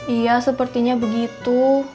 iya sepertinya begitu